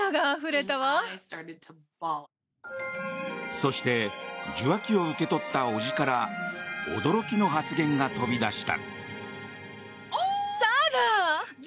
そして、受話器を受け取った叔父から驚きの発言が飛び出した。